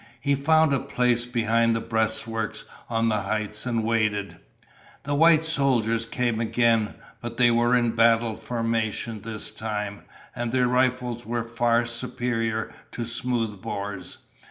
He found a place behind the breastworks on the heights and waited. The white soldiers came again. But they were in battle formation this time, and their rifles were far superior to smoothbores.